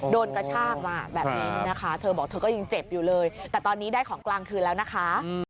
กระชากมาแบบนี้นะคะเธอบอกเธอก็ยังเจ็บอยู่เลยแต่ตอนนี้ได้ของกลางคืนแล้วนะคะ